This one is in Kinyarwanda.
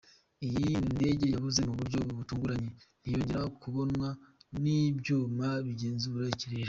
Iyi ndege yabuze mu buryo butunguranye ntiyongera kubonwa n’ibyuma bigenzura ikirere.